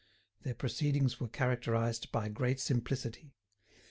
Their proceedings were characterised by great simplicity.